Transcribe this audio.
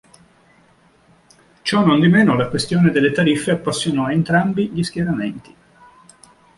Ciò nondimeno, la questione delle tariffe appassionò entrambi gli schieramenti.